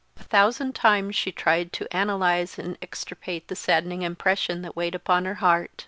A thousand times she tried to analyse and extirpate the saddening impression that weighed upon her heart.